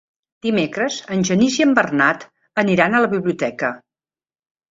Dimecres en Genís i en Bernat aniran a la biblioteca.